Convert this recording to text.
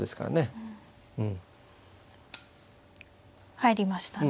入りましたね。